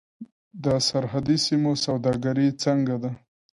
د سرحدي سیمو سوداګري څنګه ده؟